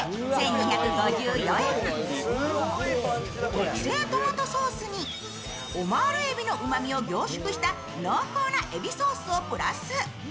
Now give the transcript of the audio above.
特製トマトソースにオマール海老のうまみを凝縮した濃厚なエビソースをプラス。